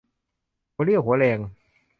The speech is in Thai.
หัวเรี่ยวหัวแรง